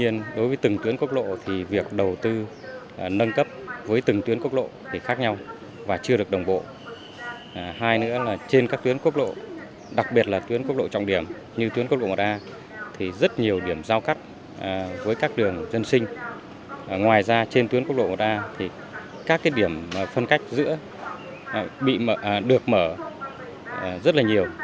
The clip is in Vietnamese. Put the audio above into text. ngoài ra trên tuyến quốc lộ một a thì các cái điểm phân cách giữa được mở rất là nhiều